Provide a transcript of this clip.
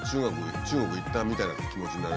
中国行ったみたいな気持ちになれる。